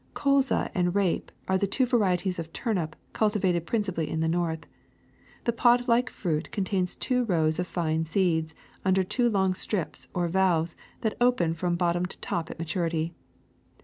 ^^ Colza and rape are two varieties of turnip culti vated principally in the North. The pod like fruit contains two rows of fine seeds under two long strips or valves that open from bottom to top at maturity.